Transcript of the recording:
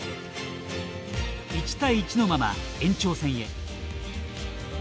１対１のまま延長戦へ。